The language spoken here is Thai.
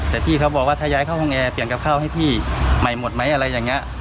แต่พี่เขาบอกว่าถ้าย้ายเข้าห้องแอร์เปลี่ยนกับข้าวให้พี่ใหม่หมดไหมอะไรอย่างนี้